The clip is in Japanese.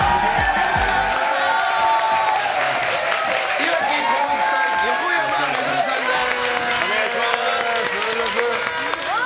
岩城滉一さん横山めぐみさんです！